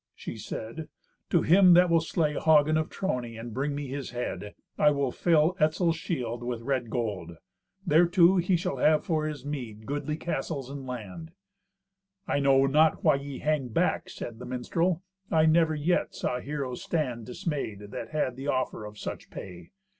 She said, "To him that will slay Hagen of Trony and bring me his head, I will fill Etzel's shield with red gold. Thereto, he shall have, for his meed, goodly castles and land." "I know not why ye hang back," said the minstrel. "I never yet saw heroes stand dismayed that had the offer of such pay.